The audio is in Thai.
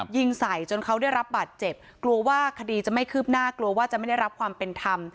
ยิงใส่จนเขาได้รับบาดเจ็บกลัวว่าคดีจะไม่คืบหน้ากลัวว่าจะไม่ได้รับความเป็นธรรม